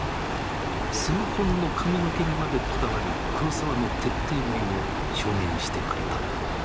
数本の髪の毛にまでこだわる黒澤の徹底ぶりを証言してくれた。